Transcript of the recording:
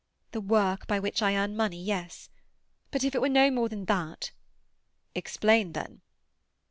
"The work by which I earn money, yes. But if it were no more than that—" "Explain, then."